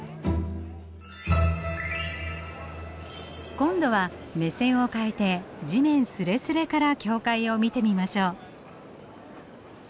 今度は目線を変えて地面すれすれから教会を見てみましょう。